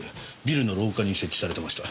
ビルの廊下に設置されてました。